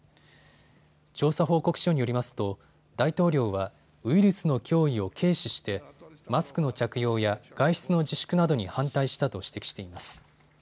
調査報告書によりますと大統領はウイルスの脅威を軽視してマスクの着用や外出の自粛などに反対したと指摘しています。